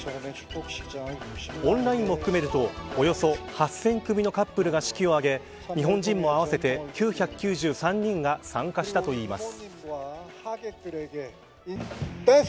オンラインも含めるとおよそ８０００組のカップルが式を挙げ日本人も合わせて９９３人が参加したといいます。